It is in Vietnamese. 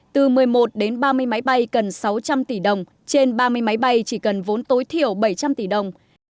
từ một mươi một đến ba mươi máy bay cần sáu trăm linh tỷ đồng trên ba mươi máy bay chỉ cần vốn tối thiểu bảy trăm linh tỷ đồng